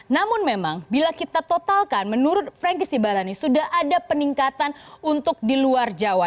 namun memang bila kita totalkan menurut frankie sibarani sudah ada peningkatan untuk di luar jawa